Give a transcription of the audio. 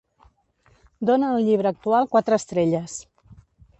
Dóna al llibre actual quatre estrelles